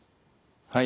はい。